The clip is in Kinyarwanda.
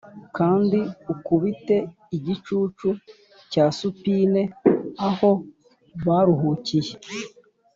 kandi ukubite igicucu cya supine aho baruhukiye